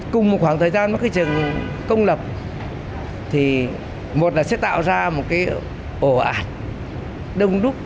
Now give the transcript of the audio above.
cùng một khoảng thời gian với trường công lập thì một là sẽ tạo ra một ổ ạt đông đúc